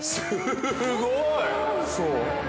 ◆すごい。